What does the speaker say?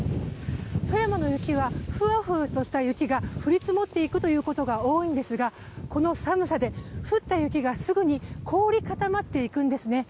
富山の雪はふわふわとした雪が降り積もっていくということが多いんですが、この寒さで降った雪がすぐに凍り固まっていくんですね。